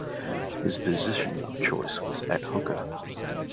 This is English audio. His position of choice was at hooker.